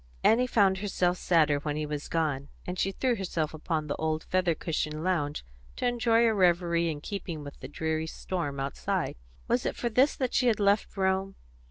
Annie found herself sadder when he was gone, and she threw herself upon the old feather cushioned lounge to enjoy a reverie in keeping with the dreary storm outside. Was it for this that she had left Rome?